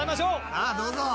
さぁどうぞ！